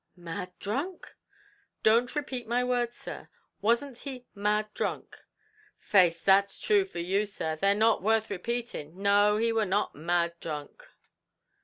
"Mad dhrunk?" "Don't repeat my words, sir; wasn't he mad drunk?" "Faix, that's thrue for you, sir they're not worth repeating; no, he war not mad dhrunk."